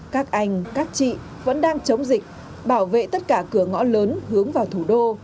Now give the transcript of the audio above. các anh các chị vẫn đang chống dịch bảo vệ tất cả cửa ngõ lớn hướng vào thủ đô